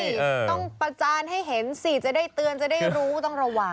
ต้องประจานให้เห็นสิจะได้เตือนจะได้รู้ต้องระวัง